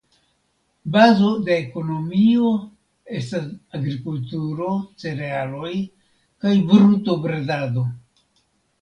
Bazo de ekonomio estas agrikulturo (cerealoj) kaj brutobredado.